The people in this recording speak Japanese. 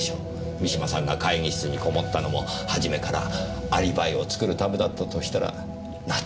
三島さんが会議室にこもったのも初めからアリバイを作るためだったとしたら納得がいきます。